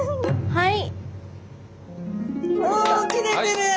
はい。